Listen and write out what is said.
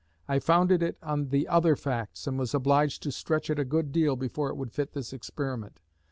I founded it on the other facts, and was obliged to stretch it a good deal before it would fit this experiment....